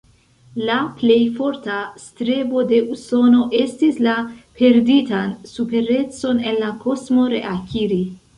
La plej forta strebo de Usono estis, la perditan superecon en la kosmo reakiri.